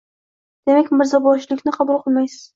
–Demak, mirzoboshilikni qabul qilmaysiz?